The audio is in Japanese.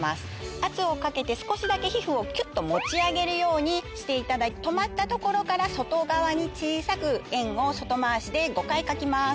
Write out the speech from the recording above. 圧をかけて少しだけ皮膚をきゅっと持ち上げるようにしていただいて止まったところから外側に小さく円を外回しで５回描きます。